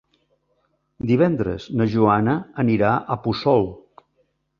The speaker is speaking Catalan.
Divendres na Joana anirà a Puçol.